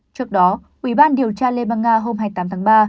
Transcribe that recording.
trước đó ubnd điều tra liên bang nga hôm hai mươi tám tháng ba